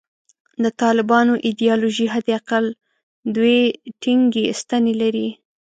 د طالبانو ایدیالوژي حد اقل دوې ټینګې ستنې لري.